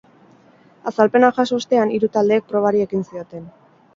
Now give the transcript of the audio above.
Azalpenak jaso ostean, hiru taldeek probari ekin zioten.